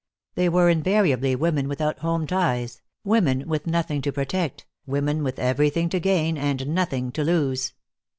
They were invariably women without home ties, women with nothing to protect, women with everything to gain and nothing to lose.